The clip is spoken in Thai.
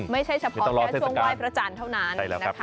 ไม่ใช่เฉพาะเนี่ยตรงว่ายพระจันทร์เท่านั้น